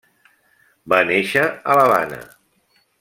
Va néixer a l'Havana.